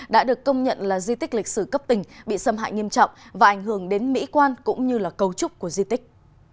đã được công nhận là di tích lịch sử cấp tỉnh bị xâm hại nghiêm trọng và ảnh hưởng đến mỹ quan cũng như cấu trúc của di tích